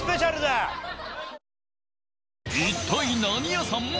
一体、何屋さん？